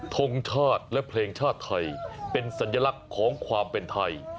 ทงชาติและเพลงชาติไทยเป็นสัญลักษณ์ของความเป็นไทย